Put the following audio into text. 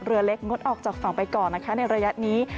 เรือเล็กงดออกจากฝั่งไปก่อนนะคะในระยะนี้